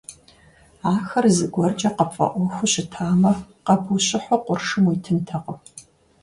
Ахэр зыгуэркӀэ къыпфӀэӀуэхуу щытамэ, къэбущыхьу къуршым уитынтэкъым.